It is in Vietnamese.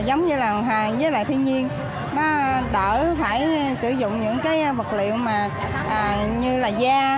giống như làn hàng với lại thiên nhiên nó đỡ phải sử dụng những cái vật liệu mà như là da